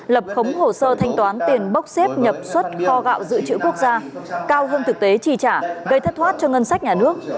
lập khống hồ sơ thanh toán tiền bốc xếp nhập xuất kho gạo dự trữ quốc gia cao hơn thực tế trì trả gây thất thoát cho ngân sách nhà nước